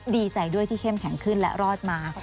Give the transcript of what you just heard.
ดีใจด้วยที่เข้มแข็งขึ้นและรอดมา